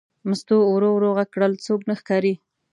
مستو ورو ور غږ کړل: څوک نه ښکاري.